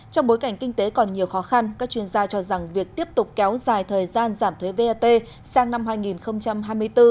trong bối cảnh kinh tế còn nhiều khó khăn các chuyên gia cho rằng việc tiếp tục kéo dài thời gian giảm thuế vat sang năm hai nghìn hai mươi bốn